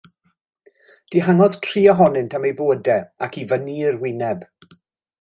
Dihangodd tri ohonynt am eu bywydau ac i fyny i'r wyneb.